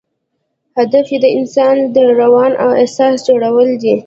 هدف یې د انسان د روان او احساس جوړول دي.